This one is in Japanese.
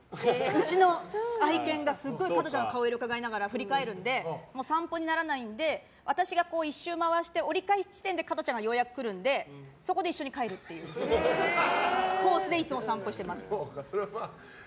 うちの愛犬がすごい加トちゃんの顔色をうかがいながら振り返るんで散歩にならないので私が１周回して、折り返し地点で加トちゃんがようやく来るのでそこで一緒に帰るっていうコースでいつも一緒に散歩しています。